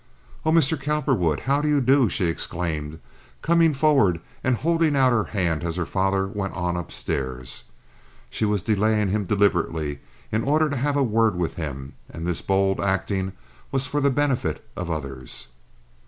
"Oh, Mr. Cowperwood, how do you do?" she exclaimed, coming forward and holding out her hand as her father went on upstairs. She was delaying him deliberately in order to have a word with him and this bold acting was for the benefit of the others.